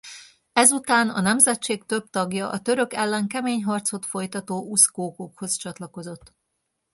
Ezután a nemzetség több tagja a török ellen kemény harcot folytató uszkókokhoz csatlakozott.